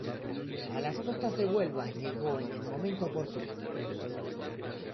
A las costas de Huelva llegó en el momento oportuno.